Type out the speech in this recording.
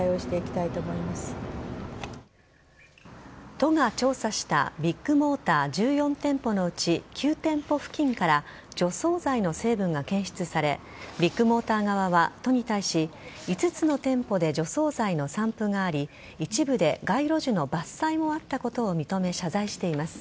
都が調査したビッグモーター１４店舗のうち９店舗付近から除草剤の成分が検出されビッグモーター側は都に対し５つの店舗で除草剤の散布があり一部で街路樹の伐採もあったことを認め謝罪しています。